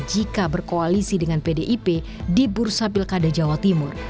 jika berkoalisi dengan pdip di bursa pilkada jawa timur